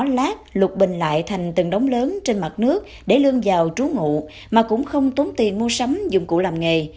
lục bình lại thành từng đống lớn trên mặt nước để lươn vào trú ngụ mà cũng không tốn tiền mua sắm dụng cụ làm nghề